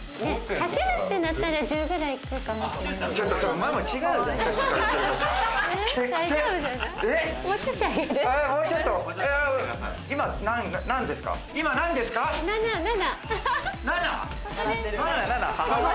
走るってなったら１０くらい行くかもしれない。